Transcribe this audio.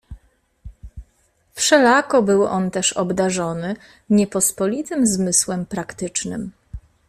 "Wszelako był on też obdarzony niepospolitym zmysłem praktycznym."